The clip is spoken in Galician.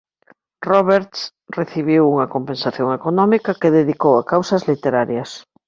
Roberts recibiu unha compensación económica que dedicou a causas literarias.